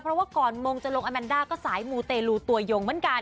เพราะว่าก่อนมงจะลงอาแมนด้าก็สายมูเตลูตัวยงเหมือนกัน